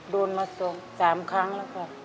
โดนมาส่ง๓ครั้งแล้วครับ